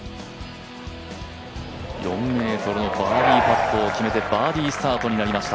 ４ｍのバーディーパットを決めてバーディースタートになりました